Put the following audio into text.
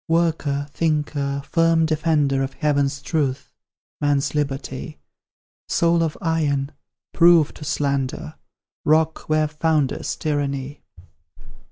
Worker, thinker, firm defender Of Heaven's truth man's liberty; Soul of iron proof to slander, Rock where founders tyranny.